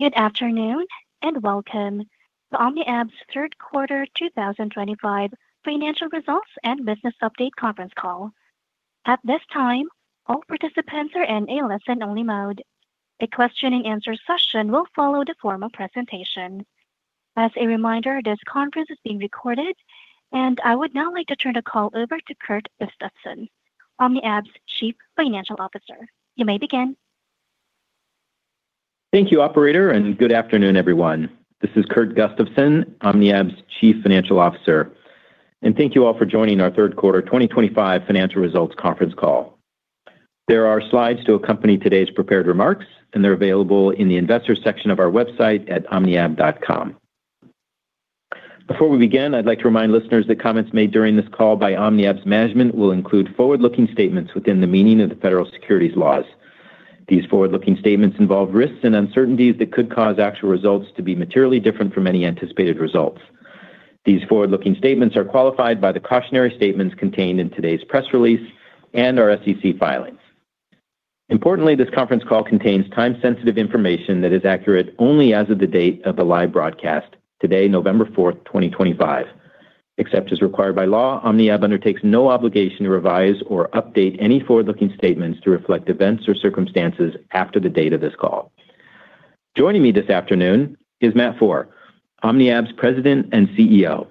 Good afternoon and welcome to OmniAb's Third Quarter 2025 Financial Results and Business Update Conference Call. At this time, all participants are in a listen-only mode. A question-and-answer session will follow the formal presentation. As a reminder, this conference is being recorded, and I would now like to turn the call over to Kurt Gustafson, OmniAb's Chief Financial Officer. You may begin. Thank you, Operator, and good afternoon, everyone. This is Kurt Gustafson, OmniAb's Chief Financial Officer, and thank you all for joining our Third Quarter 2025 Financial Results Conference Call. There are slides to accompany today's prepared remarks, and they're available in the Investor section of our website at omniab.com. Before we begin, I'd like to remind listeners that comments made during this call by OmniAb's management will include forward-looking statements within the meaning of the federal securities laws. These forward-looking statements involve risks and uncertainties that could cause actual results to be materially different from any anticipated results. These forward-looking statements are qualified by the cautionary statements contained in today's press release and our SEC filings. Importantly, this conference call contains time-sensitive information that is accurate only as of the date of the live broadcast today, November 4th, 2025. Except as required by law, OmniAb undertakes no obligation to revise or update any forward-looking statements to reflect events or circumstances after the date of this call. Joining me this afternoon is Matt Foehr, OmniAb's President and CEO.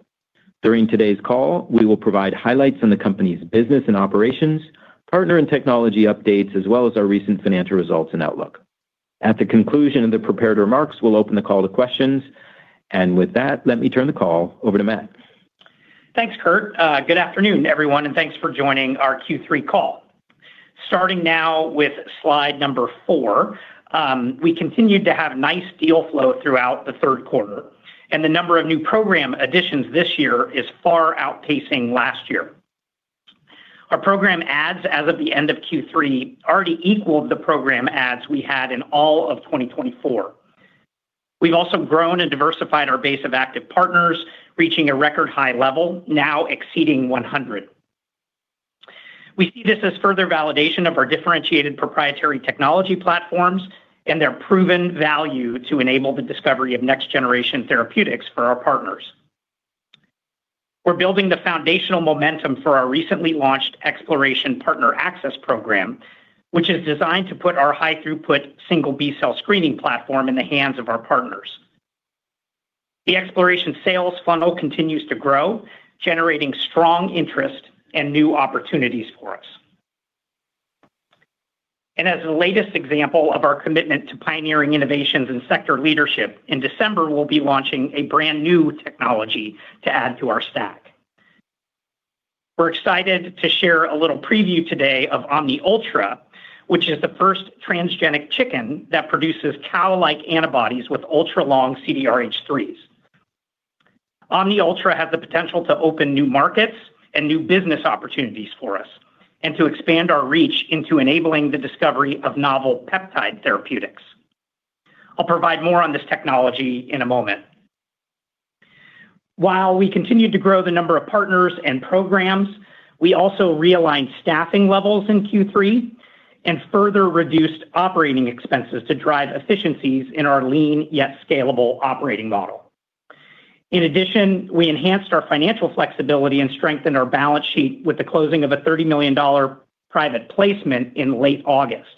During today's call, we will provide highlights on the company's business and operations, partner and technology updates, as well as our recent financial results and outlook. At the conclusion of the prepared remarks, we'll open the call to questions. And with that, let me turn the call over to Matt. Thanks, Kurt. Good afternoon, everyone, and thanks for joining our Q3 call. Starting now with slide number four. We continued to have nice deal flow throughout the third quarter, and the number of new program additions this year is far outpacing last year. Our program adds, as of the end of Q3, already equaled the program adds we had in all of 2024. We've also grown and diversified our base of active partners, reaching a record high level, now exceeding 100. We see this as further validation of our differentiated proprietary technology platforms and their proven value to enable the discovery of next-generation therapeutics for our partners. We're building the foundational momentum for our recently launched xPloration Partner Access Program, which is designed to put our high-throughput single B-cell screening platform in the hands of our partners. The xPloration sales funnel continues to grow, generating strong interest and new opportunities for us. And as the latest example of our commitment to pioneering innovations and sector leadership, in December, we'll be launching a brand new technology to add to our stack. We're excited to share a little preview today of OmniUltra, which is the first transgenic chicken that produces cow-like antibodies with ultra-long CDRH3s. OmniUltra has the potential to open new markets and new business opportunities for us and to expand our reach into enabling the discovery of novel peptide therapeutics. I'll provide more on this technology in a moment. While we continued to grow the number of partners and programs, we also realigned staffing levels in Q3 and further reduced operating expenses to drive efficiencies in our lean yet scalable operating model. In addition, we enhanced our financial flexibility and strengthened our balance sheet with the closing of a $30 million private placement in late August.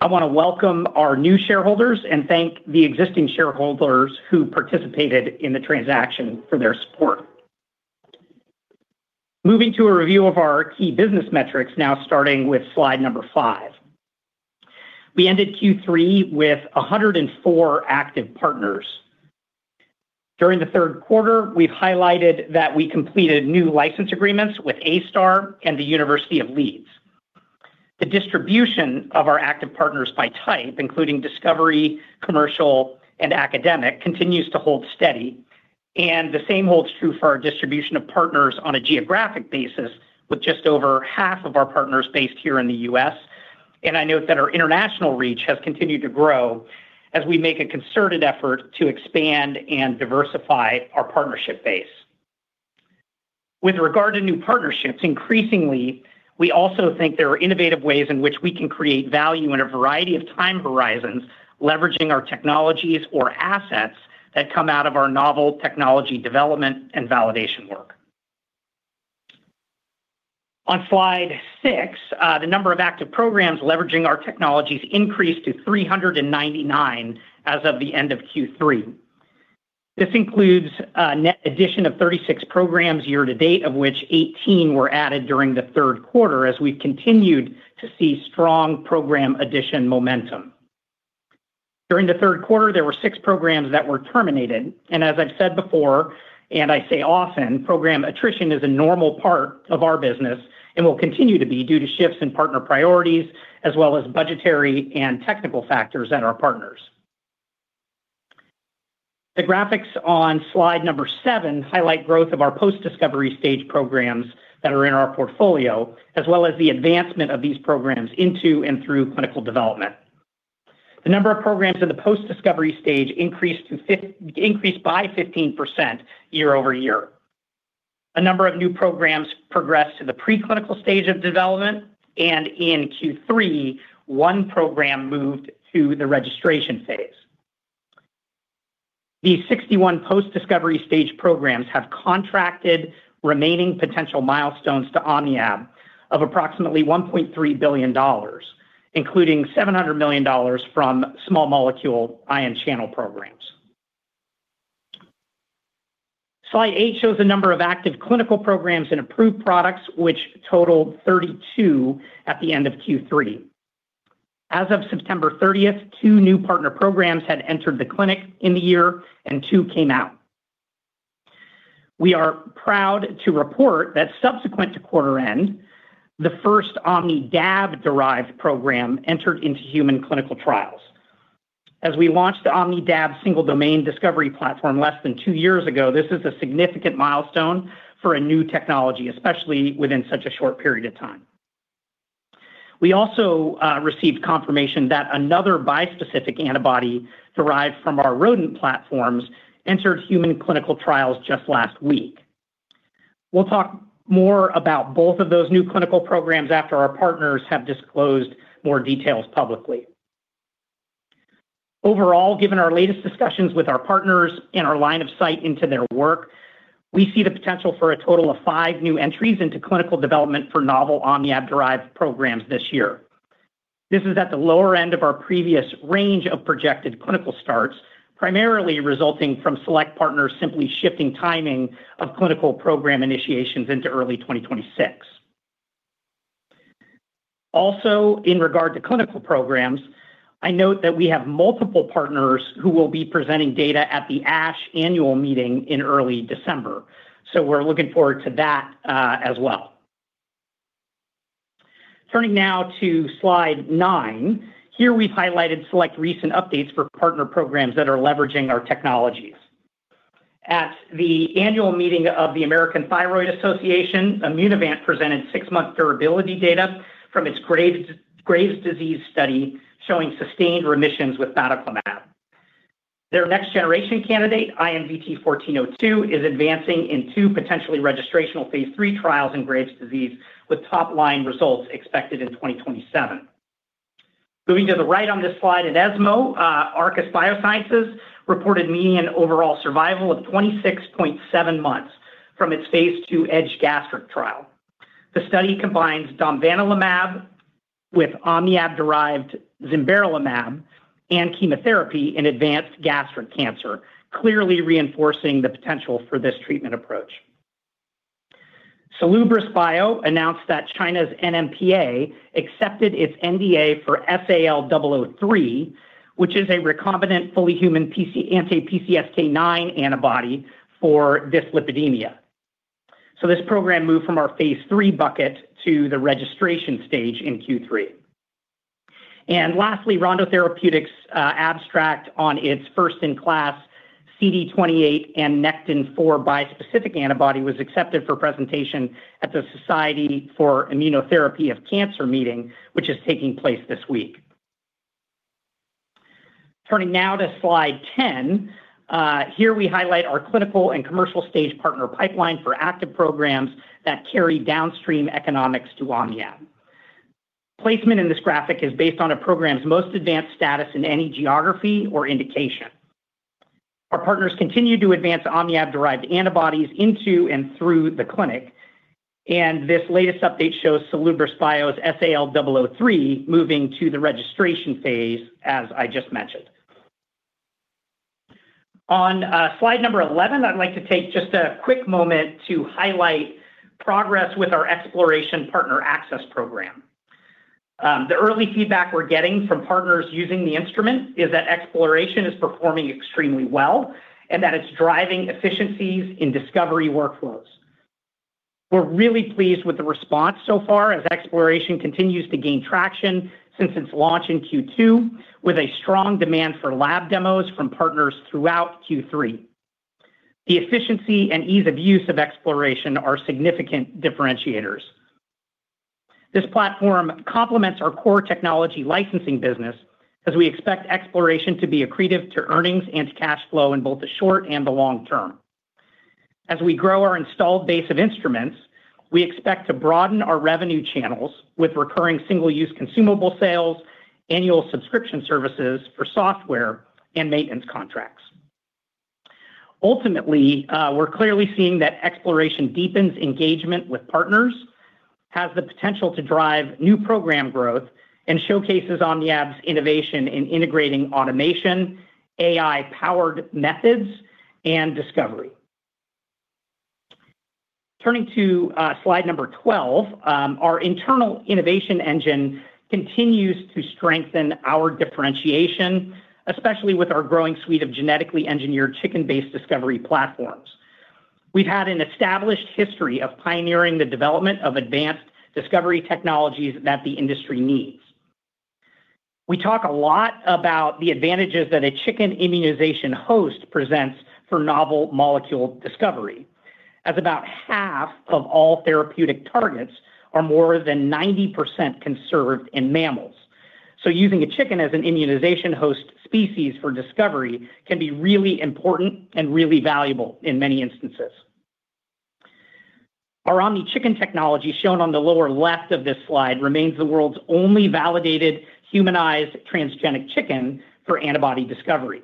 I want to welcome our new shareholders and thank the existing shareholders who participated in the transaction for their support. Moving to a review of our key business metrics now, starting with slide number five. We ended Q3 with 104 active partners. During the third quarter, we've highlighted that we completed new license agreements with A*STAR and the University of Leeds. The distribution of our active partners by type, including discovery, commercial, and academic, continues to hold steady. And the same holds true for our distribution of partners on a geographic basis, with just over half of our partners based here in the U.S. And I note that our international reach has continued to grow as we make a concerted effort to expand and diversify our partnership base. With regard to new partnerships, increasingly, we also think there are innovative ways in which we can create value in a variety of time horizons, leveraging our technologies or assets that come out of our novel technology development and validation work. On slide six, the number of active programs leveraging our technologies increased to 399 as of the end of Q3. This includes an addition of 36 programs year to date, of which 18 were added during the third quarter, as we've continued to see strong program addition momentum. During the third quarter, there were six programs that were terminated. And as I've said before, and I say often, program attrition is a normal part of our business and will continue to be due to shifts in partner priorities, as well as budgetary and technical factors at our partners. The graphics on slide number seven highlight growth of our post-discovery stage programs that are in our portfolio, as well as the advancement of these programs into and through clinical development. The number of programs in the post-discovery stage increased by 15% year over year. A number of new programs progressed to the preclinical stage of development, and in Q3, one program moved to the registration phase. The 61 post-discovery stage programs have contracted remaining potential milestones to OmniAb of approximately $1.3 billion, including $700 million from small molecule ion channel programs. Slide eight shows the number of active clinical programs and approved products, which totaled 32 at the end of Q3. As of September 30th, two new partner programs had entered the clinic in the year, and two came out. We are proud to report that subsequent to quarter-end, the first OmnidAb-derived program entered into human clinical trials. As we launched the OmnidAb single-domain discovery platform less than two years ago, this is a significant milestone for a new technology, especially within such a short period of time. We also received confirmation that another bispecific antibody derived from our rodent platforms entered human clinical trials just last week. We'll talk more about both of those new clinical programs after our partners have disclosed more details publicly. Overall, given our latest discussions with our partners and our line of sight into their work, we see the potential for a total of five new entries into clinical development for novel OmniAb-derived programs this year. This is at the lower end of our previous range of projected clinical starts, primarily resulting from select partners simply shifting timing of clinical program initiations into early 2026. Also, in regard to clinical programs, I note that we have multiple partners who will be presenting data at the ASH annual meeting in early December. So we're looking forward to that as well. Turning now to slide nine, here we've highlighted select recent updates for partner programs that are leveraging our technologies. At the annual meeting of the American Thyroid Association, Immunovant presented six-month durability data from its Graves' disease study showing sustained remissions with batoclimab. Their next-generation candidate, IMVT-1402, is advancing in two potentially registrational phase three trials in Graves' disease with top-line results expected in 2027. Moving to the right on this slide at ESMO, Arcus Biosciences reported median overall survival of 26.7 months from its phase two gastric trial. The study combines domvanalimab with OmniAb-derived zimberelimab and chemotherapy in advanced gastric cancer, clearly reinforcing the potential for this treatment approach. Salubris Bio announced that China's NMPA accepted its NDA for SAL003, which is a recombinant fully human anti-PCSK9 antibody for dyslipidemia, so this program moved from our phase three bucket to the registration stage in Q3, and lastly, Rondo Therapeutics' abstract on its first-in-class CD28 and NECTIN-4 bispecific antibody was accepted for presentation at the Society for Immunotherapy of Cancer meeting, which is taking place this week. Turning now to slide 10. Here we highlight our clinical and commercial stage partner pipeline for active programs that carry downstream economics to OmniAb. Placement in this graphic is based on a program's most advanced status in any geography or indication. Our partners continue to advance OmniAb-derived antibodies into and through the clinic, and this latest update shows Salubris Bio's SAL003 moving to the registration phase, as I just mentioned. On slide number 11, I'd like to take just a quick moment to highlight progress with our xPloration Partner Access Program. The early feedback we're getting from partners using the instrument is that xPloration is performing extremely well and that it's driving efficiencies in discovery workflows. We're really pleased with the response so far as xPloration continues to gain traction since its launch in Q2, with a strong demand for lab demos from partners throughout Q3. The efficiency and ease of use of xPloration are significant differentiators. This platform complements our core technology licensing business, as we expect xPloration to be accretive to earnings and to cash flow in both the short and the long term. As we grow our installed base of instruments, we expect to broaden our revenue channels with recurring single-use consumable sales, annual subscription services for software, and maintenance contracts. Ultimately, we're clearly seeing that xPloration deepens engagement with partners, has the potential to drive new program growth, and showcases OmniAb's innovation in integrating automation, AI-powered methods, and discovery. Turning to slide number 12, our internal innovation engine continues to strengthen our differentiation, especially with our growing suite of genetically engineered chicken-based discovery platforms. We've had an established history of pioneering the development of advanced discovery technologies that the industry needs. We talk a lot about the advantages that a chicken immunization host presents for novel molecule discovery, as about half of all therapeutic targets are more than 90% conserved in mammals, so using a chicken as an immunization host species for discovery can be really important and really valuable in many instances. Our OmniChicken technology shown on the lower left of this slide remains the world's only validated humanized transgenic chicken for antibody discovery.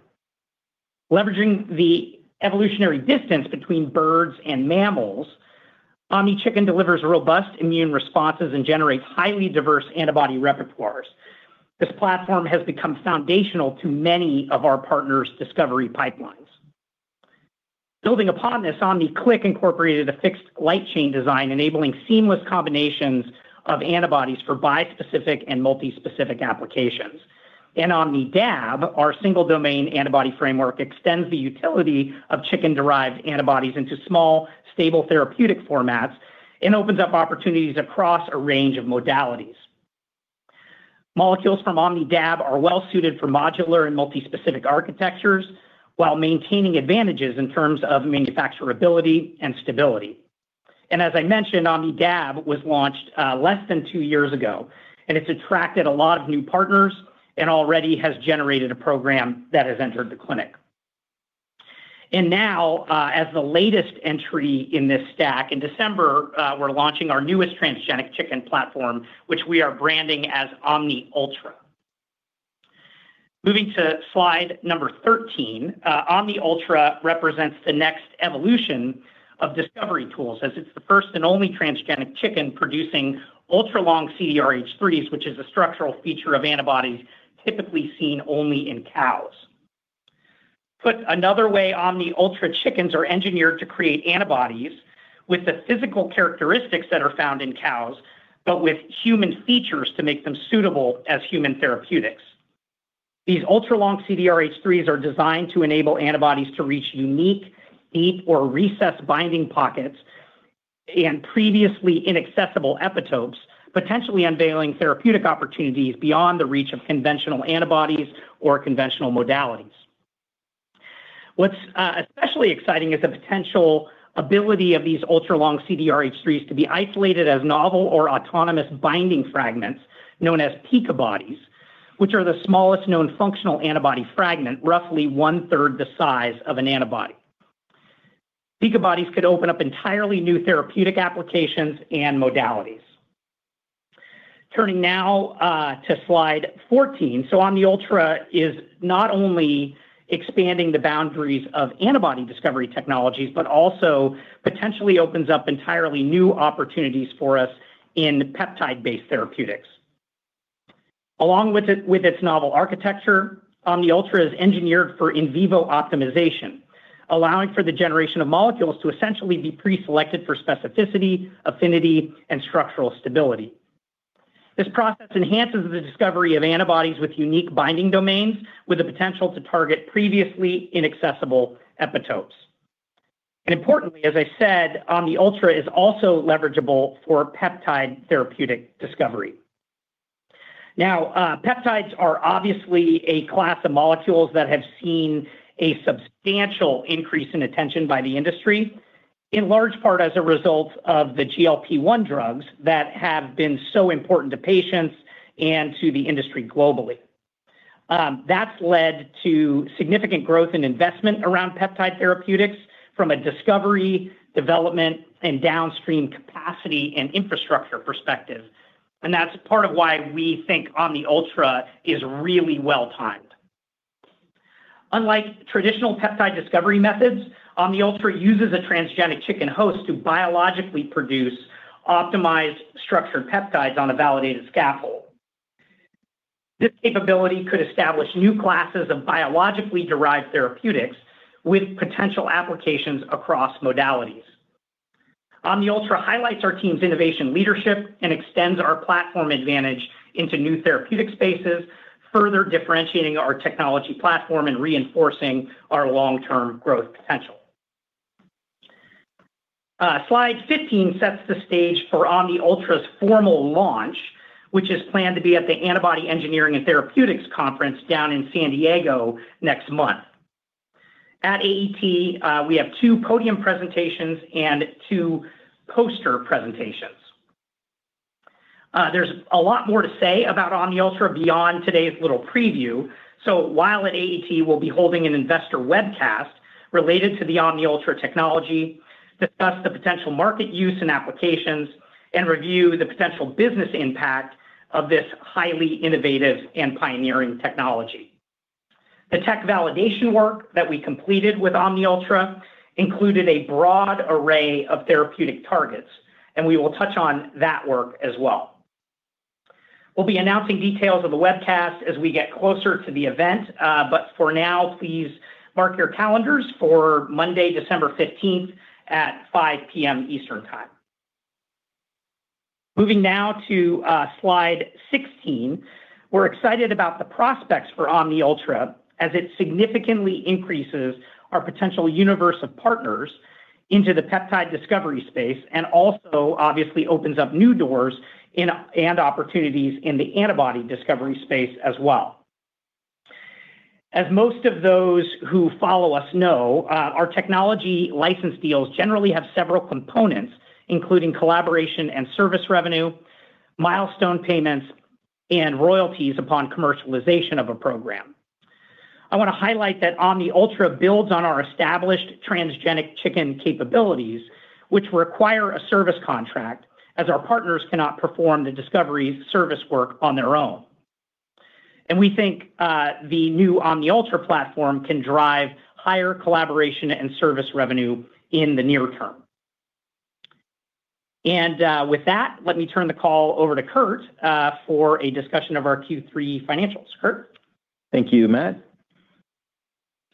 Leveraging the evolutionary distance between birds and mammals, OmniChicken delivers robust immune responses and generates highly diverse antibody repertoires. This platform has become foundational to many of our partners' discovery pipelines. Building upon this, OmniClic incorporated a fixed light chain design, enabling seamless combinations of antibodies for bispecific and multispecific applications. In OmnidAb, our single-domain antibody framework extends the utility of chicken-derived antibodies into small, stable therapeutic formats and opens up opportunities across a range of modalities. Molecules from OmnidAb are well-suited for modular and multispecific architectures while maintaining advantages in terms of manufacturability and stability. And as I mentioned, OmnidAb was launched less than two years ago, and it's attracted a lot of new partners and already has generated a program that has entered the clinic. And now, as the latest entry in this stack, in December, we're launching our newest transgenic chicken platform, which we are branding as OmniUltra. Moving to slide 13, OmniUltra represents the next evolution of discovery tools as it's the first and only transgenic chicken producing ultra-long CDRH3s, which is a structural feature of antibodies typically seen only in cows. Put another way, OmniUltra chickens are engineered to create antibodies with the physical characteristics that are found in cows, but with human features to make them suitable as human therapeutics. These ultra-long CDRH3s are designed to enable antibodies to reach unique, deep, or recessed binding pockets. And previously inaccessible epitopes, potentially unveiling therapeutic opportunities beyond the reach of conventional antibodies or conventional modalities. What's especially exciting is the potential ability of these ultra-long CDRH3s to be isolated as novel or autonomous binding fragments known as PICA bodies, which are the smallest known functional antibody fragment, roughly one-third the size of an antibody. PICA bodies could open up entirely new therapeutic applications and modalities. Turning now to slide 14, so OmniUltra is not only expanding the boundaries of antibody discovery technologies, but also potentially opens up entirely new opportunities for us in peptide-based therapeutics. Along with its novel architecture, OmniUltra is engineered for in vivo optimization, allowing for the generation of molecules to essentially be preselected for specificity, affinity, and structural stability. This process enhances the discovery of antibodies with unique binding domains, with the potential to target previously inaccessible epitopes. And importantly, as I said, OmniUltra is also leverageable for peptide therapeutic discovery. Now, peptides are obviously a class of molecules that have seen a substantial increase in attention by the industry, in large part as a result of the GLP-1 drugs that have been so important to patients and to the industry globally. That's led to significant growth in investment around peptide therapeutics from a discovery, development, and downstream capacity and infrastructure perspective. And that's part of why we think OmniUltra is really well-timed. Unlike traditional peptide discovery methods, OmniUltra uses a transgenic chicken host to biologically produce optimized structured peptides on a validated scaffold. This capability could establish new classes of biologically derived therapeutics with potential applications across modalities. OmniUltra highlights our team's innovation leadership and extends our platform advantage into new therapeutic spaces, further differentiating our technology platform and reinforcing our long-term growth potential. Slide 15 sets the stage for OmniUltra's formal launch, which is planned to be at the Antibody Engineering and Therapeutics Conference down in San Diego next month. At AET, we have two podium presentations and two poster presentations. There's a lot more to say about OmniUltra beyond today's little preview. So while at AET, we'll be holding an investor webcast related to the OmniUltra technology, discuss the potential market use and applications, and review the potential business impact of this highly innovative and pioneering technology. The tech validation work that we completed with OmniUltra included a broad array of therapeutic targets, and we will touch on that work as well. We'll be announcing details of the webcast as we get closer to the event, but for now, please mark your calendars for Monday, December 15th at 5:00 P.M. Eastern Time. Moving now to slide 16, we're excited about the prospects for OmniUltra as it significantly increases our potential universe of partners into the peptide discovery space and also obviously opens up new doors and opportunities in the antibody discovery space as well. As most of those who follow us know, our technology license deals generally have several components, including collaboration and service revenue, milestone payments, and royalties upon commercialization of a program. I want to highlight that OmniUltra builds on our established transgenic chicken capabilities, which require a service contract as our partners cannot perform the discovery service work on their own. And we think the new OmniUltra platform can drive higher collaboration and service revenue in the near term. And with that, let me turn the call over to Kurt for a discussion of our Q3 financials. Kurt. Thank you, Matt.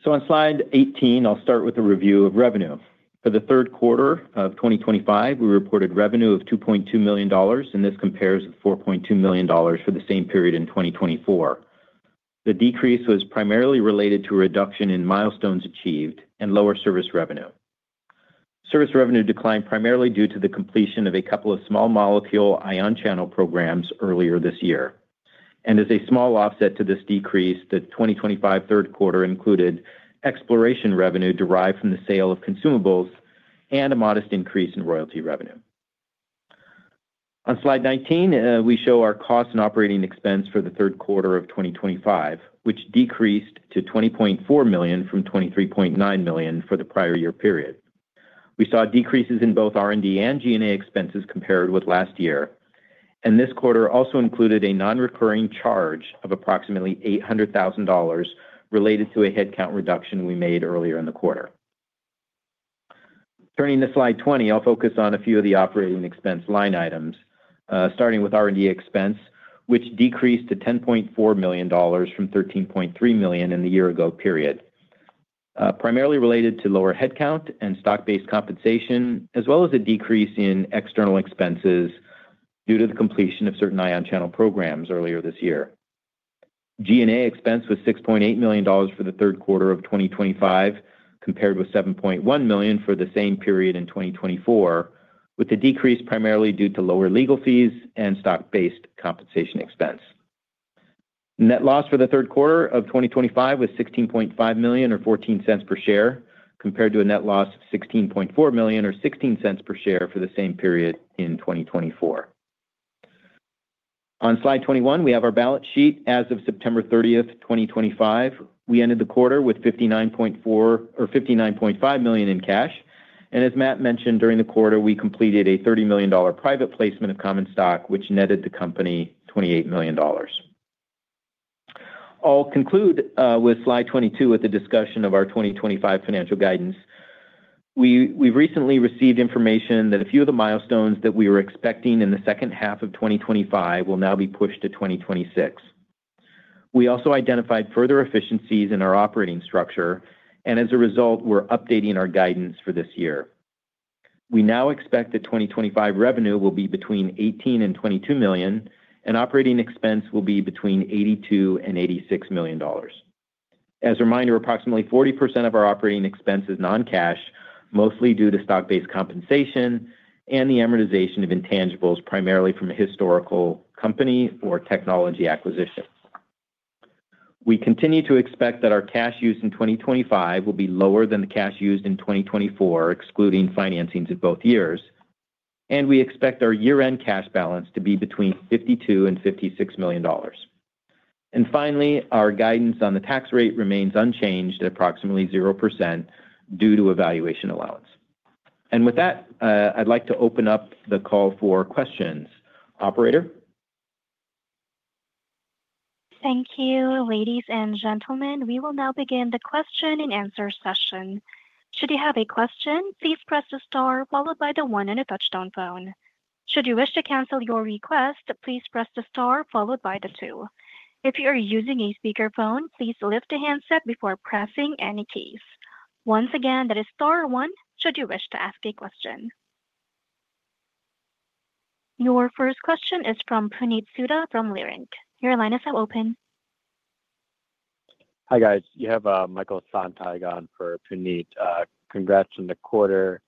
So on slide 18, I'll start with a review of revenue. For the third quarter of 2025, we reported revenue of $2.2 million, and this compares with $4.2 million for the same period in 2024. The decrease was primarily related to a reduction in milestones achieved and lower service revenue. Service revenue declined primarily due to the completion of a couple of small molecule ion channel programs earlier this year. And as a small offset to this decrease, the 2025 third quarter included xPloration revenue derived from the sale of consumables and a modest increase in royalty revenue. On slide 19, we show our cost and operating expense for the third quarter of 2025, which decreased to $20.4 million from $23.9 million for the prior year period. We saw decreases in both R&D and G&A expenses compared with last year. And this quarter also included a non-recurring charge of approximately $800,000 related to a headcount reduction we made earlier in the quarter. Turning to slide 20, I'll focus on a few of the operating expense line items, starting with R&D expense, which decreased to $10.4 million from $13.3 million in the year-ago period. Primarily related to lower headcount and stock-based compensation, as well as a decrease in external expenses due to the completion of certain ion channel programs earlier this year. G&A expense was $6.8 million for the third quarter of 2025, compared with $7.1 million for the same period in 2024, with the decrease primarily due to lower legal fees and stock-based compensation expense. Net loss for the third quarter of 2025 was $16.5 million or $0.14 per share, compared to a net loss of $16.4 million or $0.16 per share for the same period in 2024. On slide 21, we have our balance sheet as of September 30th, 2025. We ended the quarter with $59.5 million in cash. And as Matt mentioned, during the quarter, we completed a $30 million private placement of common stock, which netted the company $28 million. I'll conclude with slide 22 with the discussion of our 2025 financial guidance. We've recently received information that a few of the milestones that we were expecting in the second half of 2025 will now be pushed to 2026. We also identified further efficiencies in our operating structure, and as a result, we're updating our guidance for this year. We now expect that 2025 revenue will be between $18 and $22 million, and operating expense will be between $82 and $86 million. As a reminder, approximately 40% of our operating expense is non-cash, mostly due to stock-based compensation and the amortization of intangibles primarily from a historical company or technology acquisition. We continue to expect that our cash use in 2025 will be lower than the cash used in 2024, excluding financing to both years. And we expect our year-end cash balance to be between $52 and $56 million. And finally, our guidance on the tax rate remains unchanged at approximately 0% due to evaluation allowance. And with that, I'd like to open up the call for questions. Operator. Thank you, ladies and gentlemen. We will now begin the question and answer session. Should you have a question, please press the star followed by the one on a touch-tone phone. Should you wish to cancel your request, please press the star followed by the two. If you are using a speakerphone, please lift the handset before pressing any keys. Once again, that is star one. Should you wish to ask a question. Your first question is from Puneet Souda from Leerink. Your line is now open. Hi guys. You have Michael Sonntag on for Puneet. Congrats on the quarter.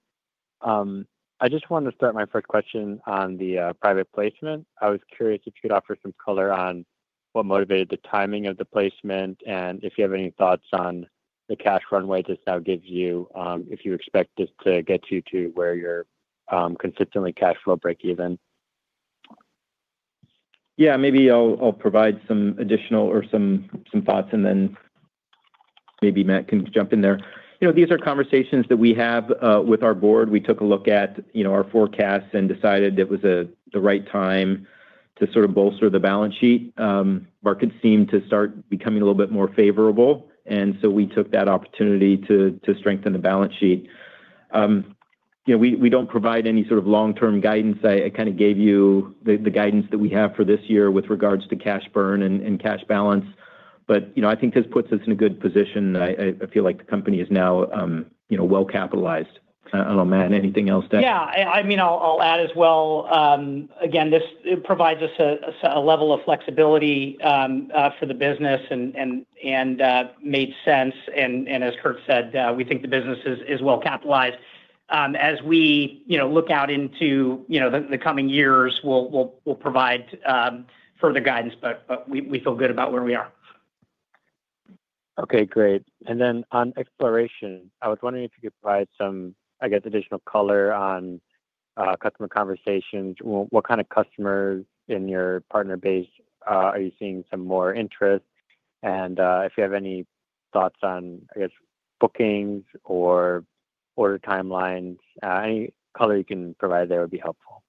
I just wanted to start my first question on the private placement. I was curious if you could offer some color on what motivated the timing of the placement and if you have any thoughts on the cash runway this now gives you if you expect this to get you to where you're consistently cash flow breakeven. Yeah, maybe I'll provide some additional or some thoughts, and then. Maybe Matt can jump in there. These are conversations that we have with our board. We took a look at our forecasts and decided it was the right time to sort of bolster the balance sheet. Markets seemed to start becoming a little bit more favorable, and so we took that opportunity to strengthen the balance sheet. We don't provide any sort of long-term guidance. I kind of gave you the guidance that we have for this year with regards to cash burn and cash balance. But I think this puts us in a good position. I feel like the company is now well-capitalized. I don't know, Matt, anything else to add? Yeah. I mean, I'll add as well. Again, this provides us a level of flexibility for the business and made sense. And as Kurt said, we think the business is well-capitalized. As we look out into the coming years, we'll provide further guidance, but we feel good about where we are. Okay, great. And then on xPloration, I was wondering if you could provide some, I guess, additional color on customer conversations. What kind of customers in your partner base are you seeing some more interest? And if you have any thoughts on, I guess, bookings or order timelines, any color you can provide there would be helpful.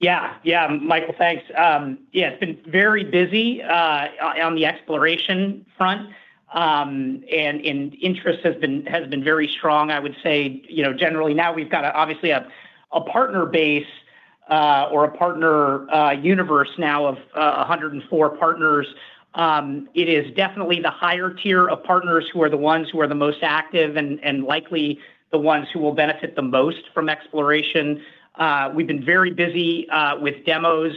Yeah. Yeah, Michael, thanks. Yeah, it's been very busy on the xPloration front. And interest has been very strong, I would say. Generally now, we've got obviously a partner base or a partner universe now of 104 partners. It is definitely the higher tier of partners who are the ones who are the most active and likely the ones who will benefit the most from xPloration. We've been very busy with demos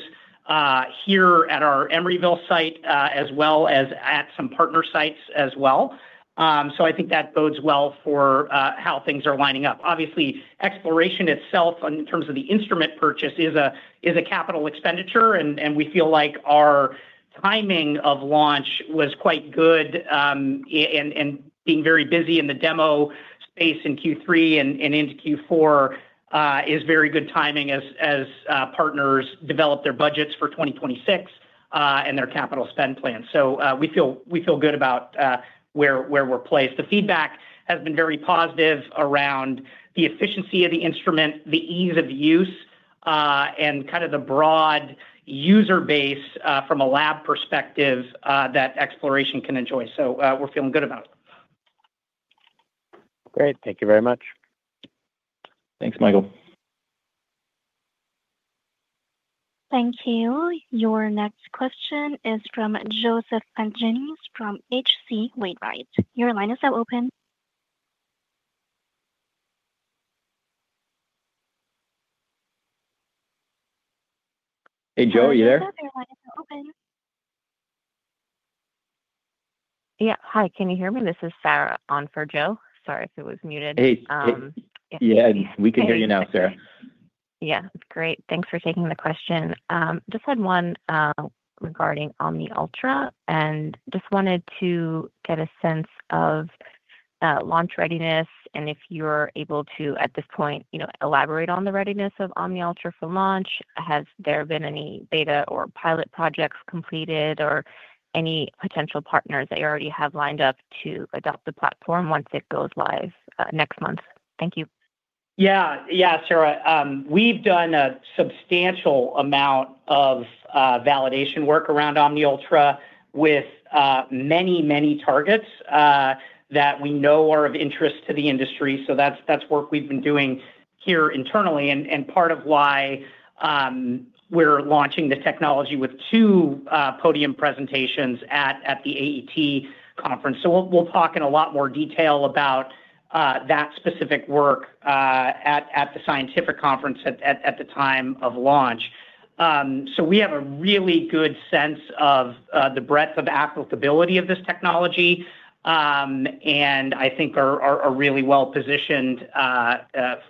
here at our Emeryville site as well as at some partner sites as well. So I think that bodes well for how things are lining up. Obviously, xPloration itself in terms of the instrument purchase is a capital expenditure, and we feel like our timing of launch was quite good. And being very busy in the demo space in Q3 and into Q4 is very good timing as partners develop their budgets for 2026 and their capital spend plans. So we feel good about where we're placed. The feedback has been very positive around the efficiency of the instrument, the ease of use, and kind of the broad user base from a lab perspective that xPloration can enjoy. So we're feeling good about it. Great. Thank you very much. Thanks, Michael. Thank you. Your next question is from Joseph Pantginis from H.C. Wainwright. Your line is now open. Hey, Joe, are you there? Yeah. Hi, can you hear me? This is Sarah on for Joe. Sorry if it was muted. Hey. Yeah, we can hear you now, Sarah. Yeah. Great. Thanks for taking the question. Just had one regarding OmniUltra and just wanted to get a sense of launch readiness and if you're able to, at this point, elaborate on the readiness of OmniUltra for launch. Has there been any beta or pilot projects completed or any potential partners that you already have lined up to adopt the platform once it goes live next month? Thank you. Yeah. Yeah, Sarah. We've done a substantial amount of validation work around OmniUltra with many, many targets that we know are of interest to the industry. So that's work we've been doing here internally and part of why we're launching the technology with two podium presentations at the AET conference. So we'll talk in a lot more detail about that specific work at the scientific conference at the time of launch. So we have a really good sense of the breadth of applicability of this technology. And I think are really well positioned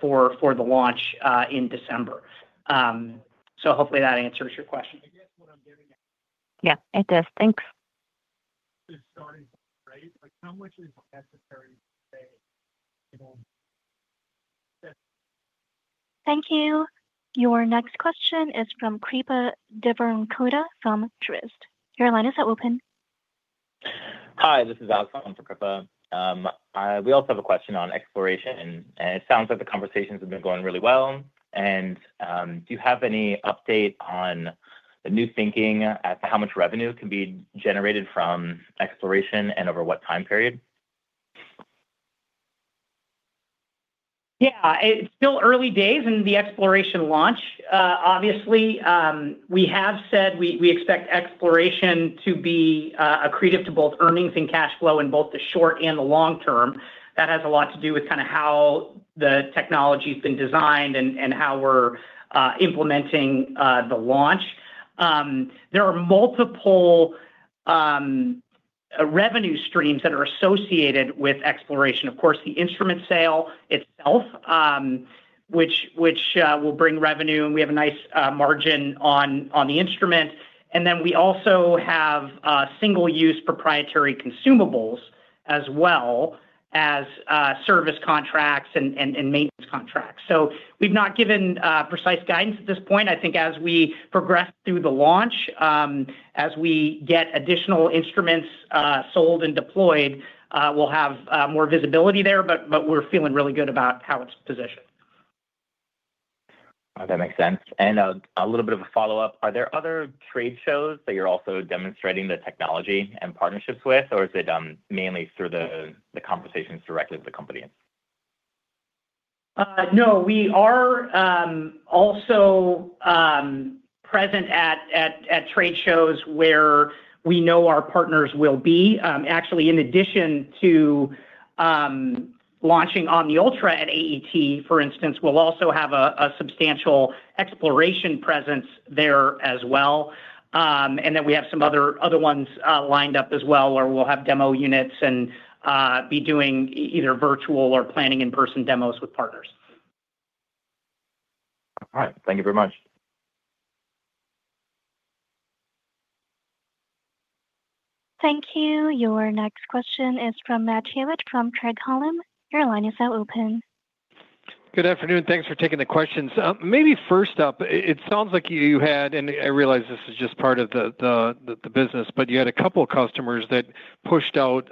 for the launch in December. So hopefully that answers your question. Yeah, it does. Thanks. Thank you. Your next question is from Krishna Divakaruni from Baird. Your line is now open. Hi, this is Alex from Baird. We also have a question on xPloration. And it sounds like the conversations have been going really well. And do you have any update on the new thinking as to how much revenue can be generated from xPloration and over what time period? Yeah. It's still early days in the xPloration launch. Obviously, we have said we expect xPloration to be accretive to both earnings and cash flow in both the short and the long term. That has a lot to do with kind of how the technology has been designed and how we're implementing the launch. There are multiple revenue streams that are associated with xPloration. Of course, the instrument sale itself, which will bring revenue, and we have a nice margin on the instrument. And then we also have single-use proprietary consumables as well as service contracts and maintenance contracts. So we've not given precise guidance at this point. I think as we progress through the launch, as we get additional instruments sold and deployed, we'll have more visibility there, but we're feeling really good about how it's positioned. That makes sense. And a little bit of a follow-up. Are there other trade shows that you're also demonstrating the technology and partnerships with, or is it mainly through the conversations directly with the company? No, we are also present at trade shows where we know our partners will be. Actually, in addition to launching OmniUltra at AET, for instance, we'll also have a substantial xPloration presence there as well. And then we have some other ones lined up as well where we'll have demo units and be doing either virtual or planning in-person demos with partners. All right. Thank you very much. Thank you. Your next question is from Matt Hewitt from Craig-Hallum. Your line is now open. Good afternoon. Thanks for taking the questions. Maybe first up, it sounds like you had, and I realize this is just part of the business, but you had a couple of customers that pushed out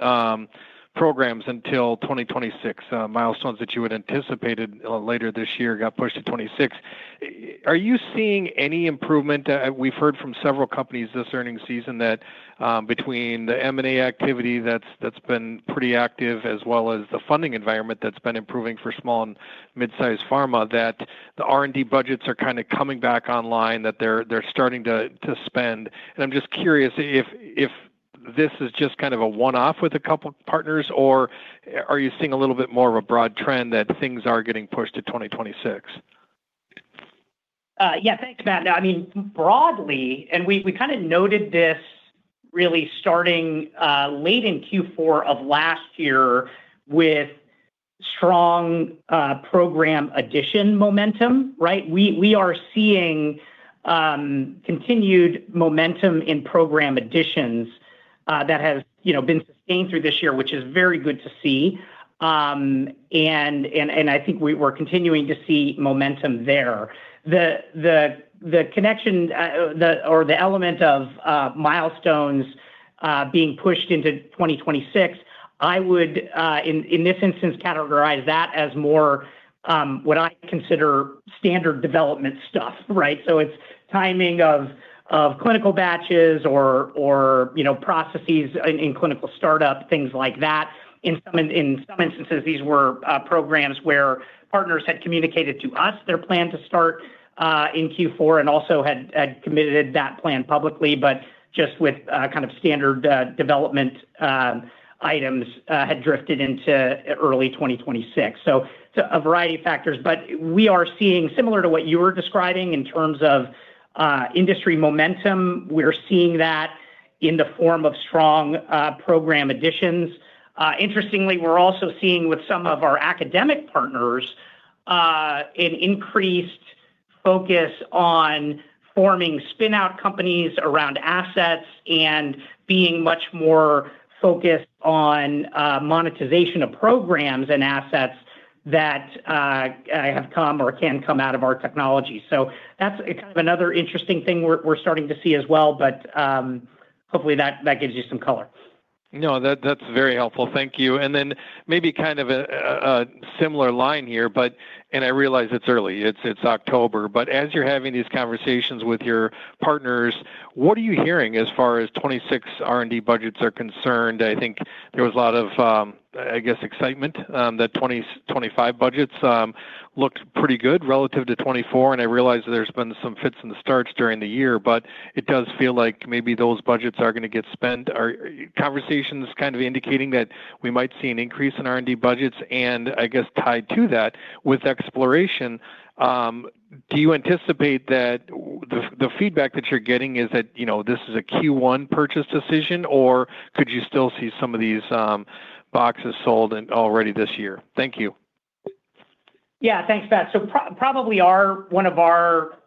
programs until 2026, milestones that you had anticipated later this year got pushed to 2026. Are you seeing any improvement? We've heard from several companies this earnings season that between the M&A activity that's been pretty active as well as the funding environment that's been improving for small and mid-sized pharma, that the R&D budgets are kind of coming back online, that they're starting to spend. And I'm just curious if this is just kind of a one-off with a couple of partners, or are you seeing a little bit more of a broad trend that things are getting pushed to 2026? Yeah, thanks, Matt. I mean, broadly, and we kind of noted this really starting late in Q4 of last year with strong program addition momentum, right? We are seeing continued momentum in program additions. That has been sustained through this year, which is very good to see. And I think we're continuing to see momentum there. The connection or the element of milestones being pushed into 2026, I would in this instance categorize that as more what I consider standard development stuff, right? So it's timing of clinical batches or processes in clinical startup, things like that. In some instances, these were programs where partners had communicated to us their plan to start in Q4 and also had committed that plan publicly, but just with kind of standard development items had drifted into early 2026. So a variety of factors. But we are seeing, similar to what you were describing in terms of industry momentum, we're seeing that in the form of strong program additions. Interestingly, we're also seeing with some of our academic partners an increased focus on forming spinout companies around assets and being much more focused on monetization of programs and assets that have come or can come out of our technology. So that's kind of another interesting thing we're starting to see as well, but hopefully that gives you some color. No, that's very helpful. Thank you. And then maybe kind of a similar line here, and I realize it's early. It's October. But as you're having these conversations with your partners, what are you hearing as far as 2026 R&D budgets are concerned? I think there was a lot of, I guess, excitement that 2025 budgets looked pretty good relative to 2024, and I realize there's been some fits and starts during the year, but it does feel like maybe those budgets are going to get spent. Are conversations kind of indicating that we might see an increase in R&D budgets? And I guess tied to that, with xPloration, do you anticipate that the feedback that you're getting is that this is a Q1 purchase decision, or could you still see some of these boxes sold already this year? Thank you. Yeah, thanks, Matt. So probably one of our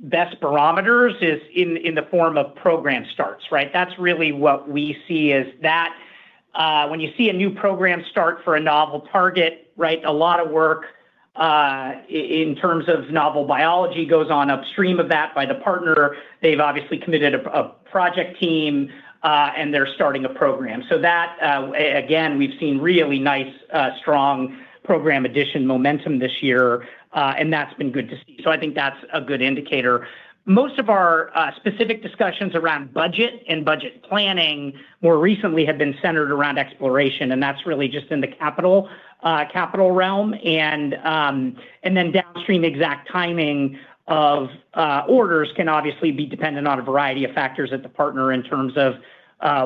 best barometers is in the form of program starts, right? That's really what we see is that. When you see a new program start for a novel target, right, a lot of work in terms of novel biology goes on upstream of that by the partner. They've obviously committed a project team, and they're starting a program. So that, again, we've seen really nice, strong program addition momentum this year, and that's been good to see. So I think that's a good indicator. Most of our specific discussions around budget and budget planning more recently have been centered around xPloration, and that's really just in the capital realm. And then downstream exact timing of orders can obviously be dependent on a variety of factors at the partner in terms of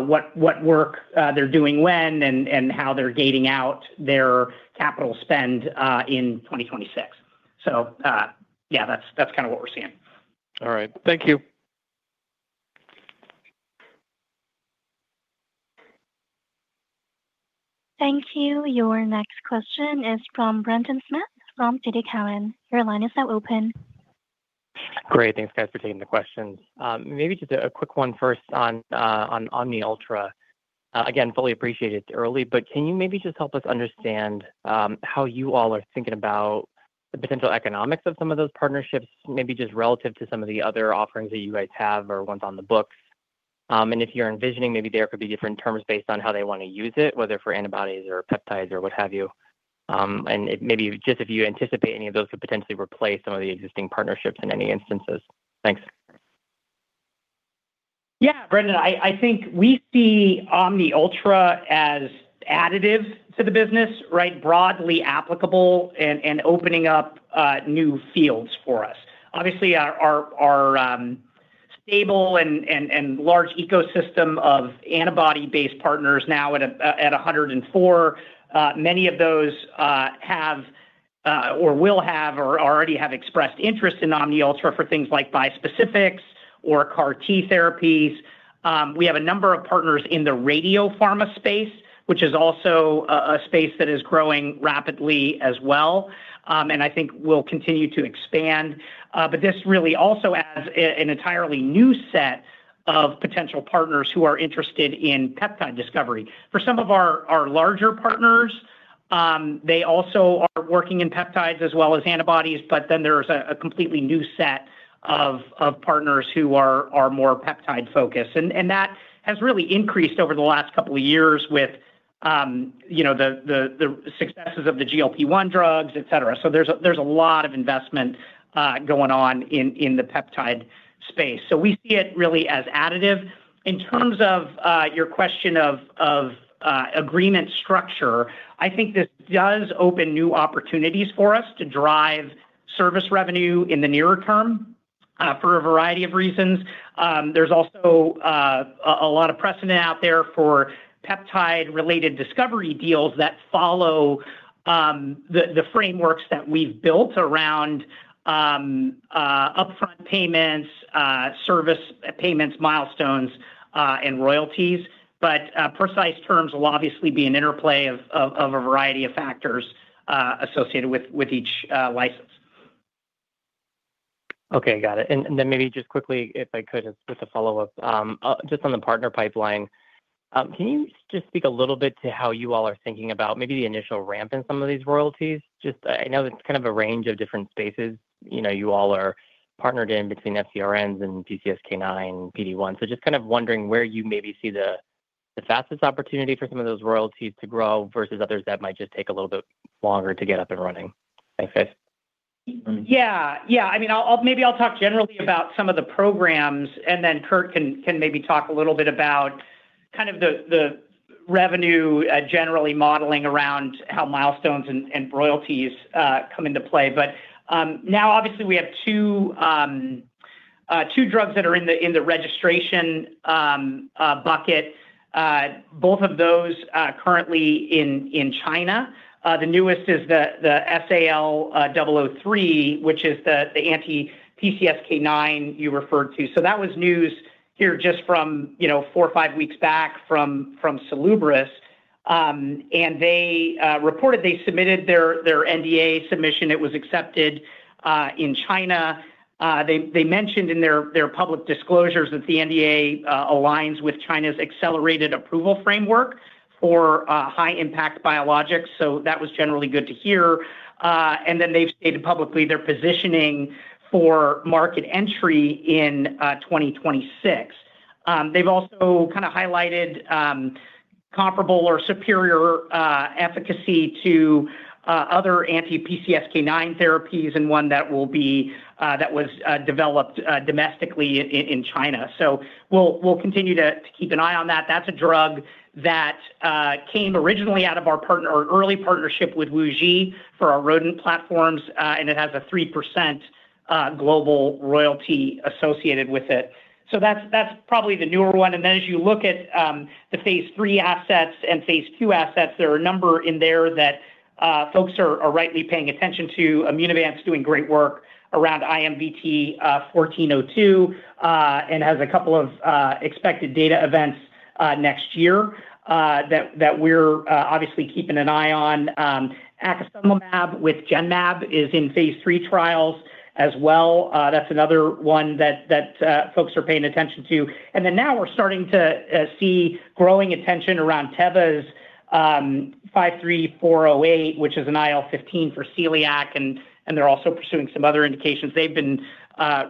what work they're doing when and how they're gating out their capital spend in 2026. So yeah, that's kind of what we're seeing. All right. Thank you. Thank you. Your next question is from Brendan Smith from TD Cowen. Your line is now open. Great. Thanks, guys, for taking the questions. Maybe just a quick one first on OmniUltra. Again, fully appreciated it's early, but can you maybe just help us understand how you all are thinking about the potential economics of some of those partnerships, maybe just relative to some of the other offerings that you guys have or ones on the books? And if you're envisioning, maybe there could be different terms based on how they want to use it, whether for antibodies or peptides or what have you. And maybe just if you anticipate any of those could potentially replace some of the existing partnerships in any instances. Thanks. Yeah, Brendan, I think we see OmniUltra as additive to the business, right? Broadly applicable and opening up new fields for us. Obviously, our stable and large ecosystem of antibody-based partners now at 104. Many of those have or will have or already have expressed interest in OmniUltra for things like bispecifics or CAR T therapies. We have a number of partners in the radiopharma space, which is also a space that is growing rapidly as well. And I think we'll continue to expand. But this really also adds an entirely new set of potential partners who are interested in peptide discovery. For some of our larger partners, they also are working in peptides as well as antibodies, but then there's a completely new set of partners who are more peptide-focused. And that has really increased over the last couple of years with the successes of the GLP-1 drugs, etc. So there's a lot of investment going on in the peptide space. So we see it really as additive. In terms of your question of agreement structure, I think this does open new opportunities for us to drive service revenue in the nearer term for a variety of reasons. There's also a lot of precedent out there for peptide-related discovery deals that follow. The frameworks that we've built around upfront payments, service payments, milestones, and royalties. But precise terms will obviously be an interplay of a variety of factors associated with each license. Okay. Got it. And then maybe just quickly, if I could, just with a follow-up, just on the partner pipeline, can you just speak a little bit to how you all are thinking about maybe the initial ramp in some of these royalties? Just I know it's kind of a range of different spaces you all are partnered in between FCRNs and PCSK9, PD1. So just kind of wondering where you maybe see the fastest opportunity for some of those royalties to grow versus others that might just take a little bit longer to get up and running. Thanks, guys. Yeah. Yeah. I mean, maybe I'll talk generally about some of the programs, and then Kurt can maybe talk a little bit about kind of the revenue generally modeling around how milestones and royalties come into play. But now, obviously, we have two drugs that are in the registration bucket. Both of those currently in China. The newest is the SAL003, which is the anti-PCSK9 you referred to. So that was news here just from four or five weeks back from Salubris. And they reported they submitted their NDA submission. It was accepted in China. They mentioned in their public disclosures that the NDA aligns with China's accelerated approval framework for high-impact biologics. So that was generally good to hear. And then they've stated publicly their positioning for market entry in 2026. They've also kind of highlighted comparable or superior efficacy to other anti-PCSK9 therapies and one that was developed domestically in China. So we'll continue to keep an eye on that. That's a drug that came originally out of our early partnership with WuXi for our rodent platforms, and it has a 3% global royalty associated with it. So that's probably the newer one. And then as you look at the phase 3 assets and phase 2 assets, there are a number in there that folks are rightly paying attention to. Immunovant doing great work around IMVT-1402. And has a couple of expected data events next year. That we're obviously keeping an eye on. Epcoritamab with Genmab is in phase 3 trials as well. That's another one that folks are paying attention to. And then now we're starting to see growing attention around Teva's 53408, which is an IL-15 for celiac. And they're also pursuing some other indications. They've been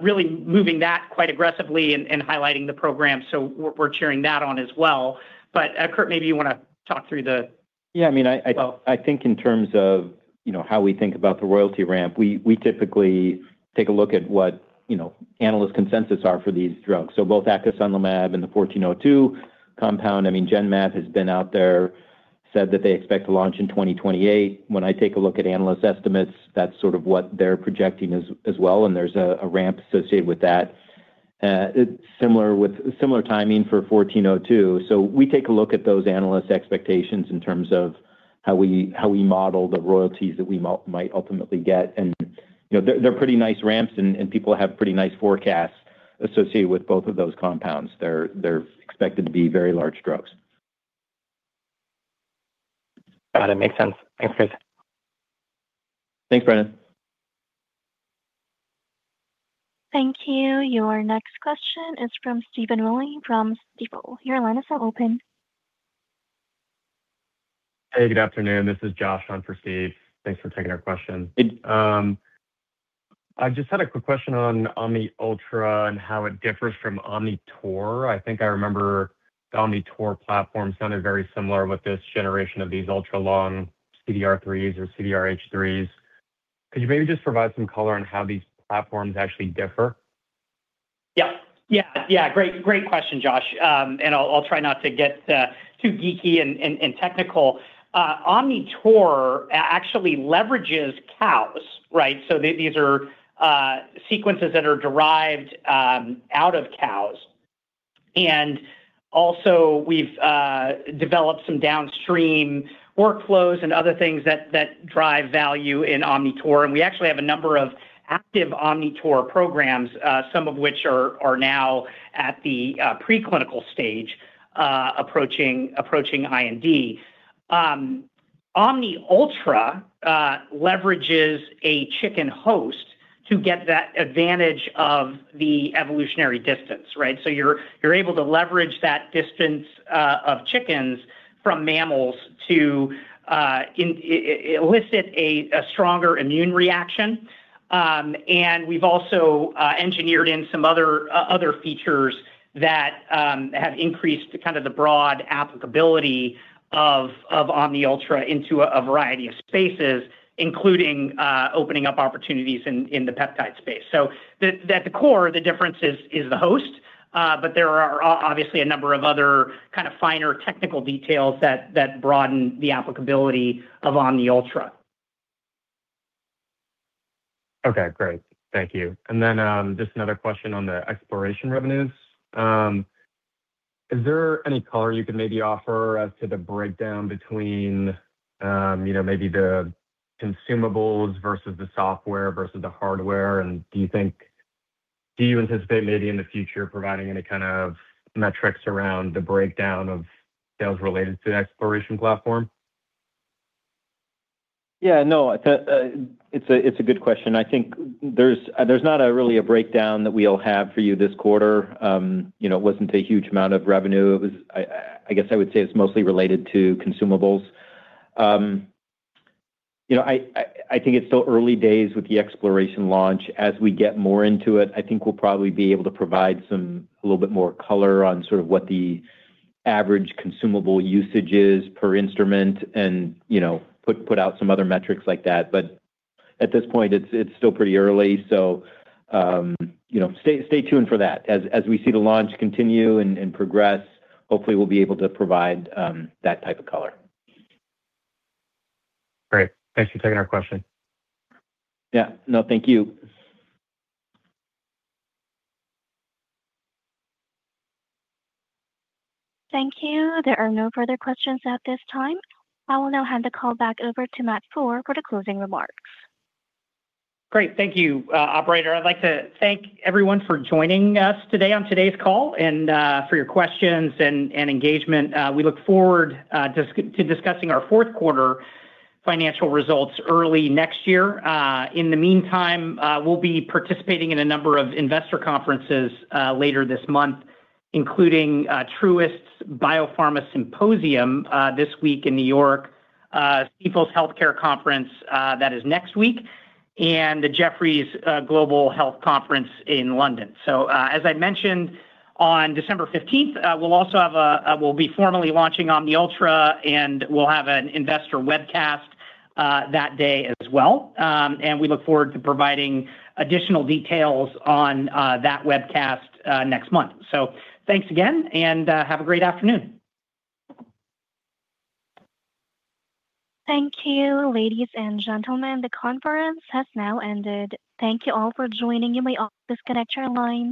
really moving that quite aggressively and highlighting the program. So we're cheering that on as well. But Kurt, maybe you want to talk through the. Yeah. I mean, I think in terms of how we think about the royalty ramp, we typically take a look at what analyst consensus are for these drugs. So both epcoritamab and the 1402 compound, I mean, Genmab has been out there, said that they expect to launch in 2028. When I take a look at analyst estimates, that's sort of what they're projecting as well. And there's a ramp associated with that. Similar. Timing for 1402. So we take a look at those analyst expectations in terms of how we model the royalties that we might ultimately get. And they're pretty nice ramps, and people have pretty nice forecasts associated with both of those compounds. They're expected to be very large drugs. Got it. Makes sense. Thanks, guys. Thanks, Brendon. Thank you. Your next question is from Stephen Willey from Stifel. Your line is now open. Hey, good afternoon. This is Josh on for Stifel. Thanks for taking our question. I just had a quick question on OmniUltra and how it differs from Omnitor. I think I remember the Omnitor platform sounded very similar with this generation of these ultra-long CDR3s or CDRH3s. Could you maybe just provide some color on how these platforms actually differ? Yeah. Great question, Josh. And I'll try not to get too geeky and technical. Omnitor actually leverages cows, right? So these are sequences that are derived out of cows. And also, we've developed some downstream workflows and other things that drive value in Omnitor. And we actually have a number of active Omnitor programs, some of which are now at the preclinical stage approaching IND. OmniUltra leverages a chicken host to get that advantage of the evolutionary distance, right? So you're able to leverage that distance of chickens from mammals to elicit a stronger immune reaction. And we've also engineered in some other features that have increased kind of the broad applicability of OmniUltra into a variety of spaces, including opening up opportunities in the peptide space. So at the core, the difference is the host, but there are obviously a number of other kind of finer technical details that broaden the applicability of OmniUltra. Okay. Great. Thank you. And then just another question on the xPloration revenues. Is there any color you could maybe offer as to the breakdown between maybe the consumables versus the software versus the hardware? And do you think you anticipate maybe in the future providing any kind of metrics around the breakdown of sales related to the xPloration platform? Yeah. It's a good question. I think there's not really a breakdown that we'll have for you this quarter. It wasn't a huge amount of revenue. I guess I would say it's mostly related to consumables. I think it's still early days with the xPloration launch. As we get more into it, I think we'll probably be able to provide a little bit more color on sort of what the average consumable usage is per instrument and put out some other metrics like that. But at this point, it's still pretty early. So stay tuned for that. As we see the launch continue and progress, hopefully, we'll be able to provide that type of color. Great. Thanks for taking our question. Yeah. No, thank you. Thank you. There are no further questions at this time. I will now hand the call back over to Matt Foehr for the closing remarks. Great. Thank you, operator. I'd like to thank everyone for joining us today on today's call and for your questions and engagement. We look forward to discussing our fourth quarter financial results early next year. In the meantime, we'll be participating in a number of investor conferences later this month, including Truist's Biopharma Symposium this week in New York. Stifel's Healthcare Conference that is next week, and the Jefferies Global Health Conference in London. So as I mentioned, on December 15th, we'll also have. We'll be formally launching OmniUltra, and we'll have an investor webcast. That day as well. And we look forward to providing additional details on that webcast next month. So thanks again, and have a great afternoon. Thank you, ladies and gentlemen. The conference has now ended. Thank you all for joining. You may disconnect your line.